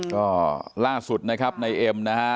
ก็ล่าสุดนะครับในเอ็มนะฮะ